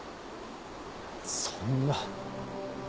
そんな。